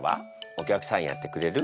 お客さんやってくれる？